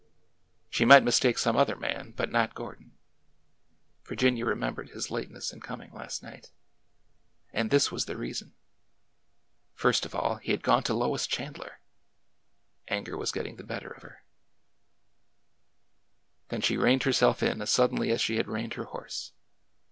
She might mistake some other man, but not Gordon ! Virginia remembered his lateness in coming last night. And this was the reason! First of all, he had gone to Lois Chandler! Anger was getting the better of her. 222 ORDER NO. 11 Then she reined herself in as suddenly as she had reined her horse.